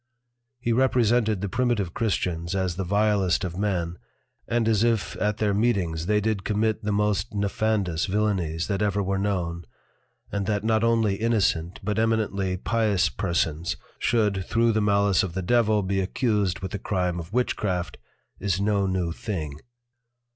He represented the Primitive Christians as the vilest of men, and as if at their Meetings they did commit the most nefandous Villanies that ever were known; and that not only Innocent, but Eminently Pious Persons should thro' the malice of the Devil be accused with the Crime of Witchcraft, is no new thing.